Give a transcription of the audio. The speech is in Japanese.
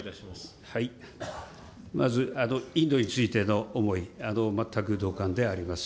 まずインドについての思い、全く同感であります。